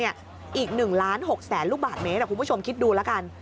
อีก๑ล้าน๖แสนลูกบาทเมตรคุณผู้ชมคิดดูแล้วกัน